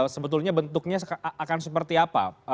sebetulnya bentuknya akan seperti apa